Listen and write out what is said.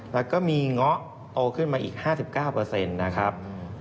แล้วก็มีเงาะโตขึ้นมาอีก๕๙เปอร์เซ็นต์นะครับ